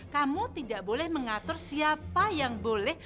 kamu tidak boleh mengatur siapa yang boleh